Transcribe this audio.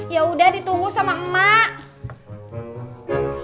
yaudah ditunggu sama emak